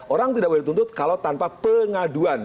orang tidak boleh dituntut kalau tanpa pengaduan